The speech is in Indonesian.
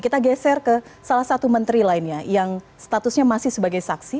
kita geser ke salah satu menteri lainnya yang statusnya masih sebagai saksi